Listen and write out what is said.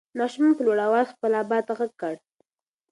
ماشوم په لوړ اواز خپل ابا ته غږ کړ.